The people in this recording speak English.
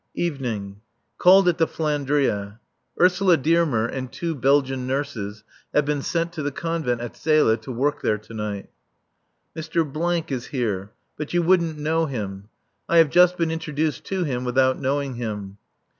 [Evening.] Called at the "Flandria." Ursula Dearmer and two Belgian nurses have been sent to the convent at Zele to work there to night. Mr. is here. But you wouldn't know him. I have just been introduced to him without knowing him.